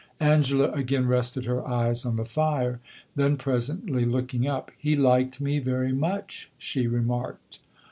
Angela again rested her eyes on the fire; then presently, looking up "He liked me very much," she remarked.